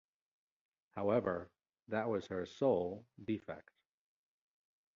However, that was her sole "defect".